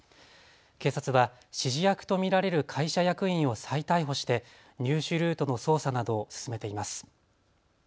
警察は指示役と見られる会社役員を再逮捕して入手ルートの捜査などを進めています。